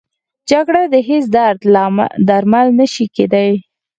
جګړه د هېڅ درد درمل نه شي کېدی